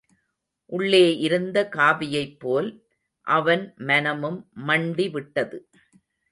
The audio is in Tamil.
உள்ளே இருந்த காபியைப்போல், அவன் மனமும் மண்டிவிட்டது.